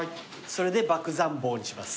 それで驀仙坊にします。